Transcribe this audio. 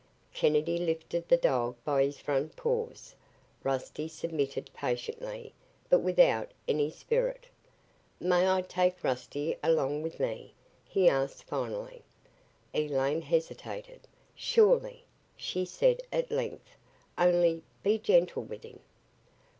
Kennedy lifted the dog by his front paws. Rusty submitted patiently, but without any spirit. "May I take Rusty along with me?" he asked finally. Elaine hesitated. "Surely," she said at length, "only, be gentle with him."